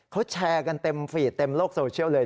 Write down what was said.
เขาแชร์กันเต็มฟีดเต็มโลกโซเชียลเลย